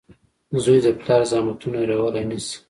• زوی د پلار زحمتونه هېرولی نه شي.